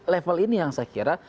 level ini yang saya kira